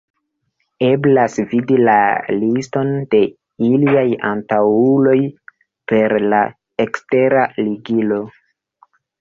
Eblas vidi la liston de iliaj antaŭuloj per la ekstera ligilo.